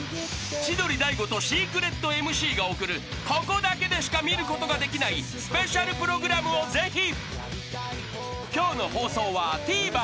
［千鳥大悟とシークレットＭＣが送るここだけでしか見ることができないスペシャルプログラムをぜひ］